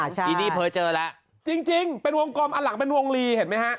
อ่าใช่จริงจริงเป็นวงกรมอันหลังเป็นวงลีเห็นไหมฮะ